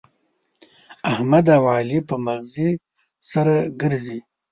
احمد او علي په مغزي سره ګرزي.